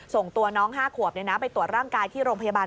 ส่งตัวน้อง๕ขวบไปตรวจร่างกายที่โรงพยาบาล